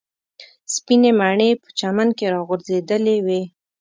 سپینې مڼې په چمن کې راغورځېدلې وې.